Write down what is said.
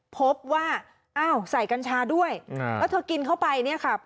พบว่าอ้าวใส่กัญชาด้วยแล้วเธอกินเข้าไปเนี่ยค่ะ